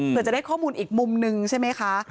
เพื่อจะได้ข้อมูลอีกมุมนึงใช่ไหมคะ